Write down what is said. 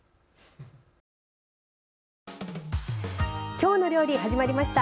「きょうの料理」始まりました。